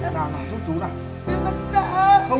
nào nào chút chút nào